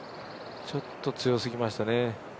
ちょっと強すぎましたね。